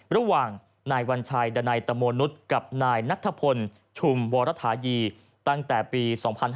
ระหว่างนวัญชัยดตะโมนุทกับนนัทธพลชุมวรฐายีตั้งแต่ปี๒๕๕๕